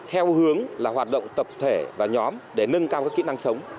theo hướng là hoạt động tập thể và nhóm để nâng cao các kỹ năng sống